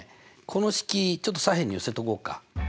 この式ちょっと左辺に寄せとこうか。